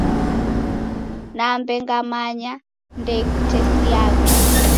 Nambe ngamanya ndeikutesiagha.